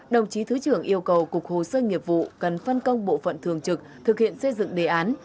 đồng chí thứ trưởng yêu cầu cục hồ sơ nghiệp vụ cần phân công bộ phận thường trực thực hiện xây dựng đề án